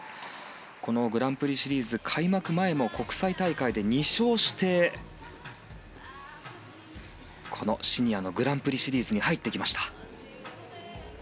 このグランプリシリーズ開幕前も国際大会で２勝してこのシニアのグランプリシリーズ入ってきました。